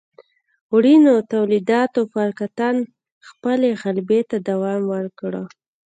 وړینو تولیداتو پر کتان خپلې غلبې ته دوام ورکړ.